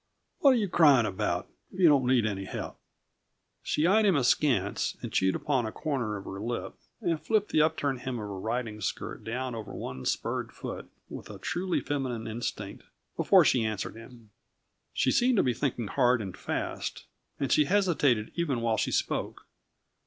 What are you crying about if you don't need any help?" She eyed him askance, and chewed upon a corner of her lip, and flipped the upturned hem of her riding skirt down over one spurred foot with a truly feminine instinct, before she answered him. She seemed to be thinking hard and fast, and she hesitated even while she spoke.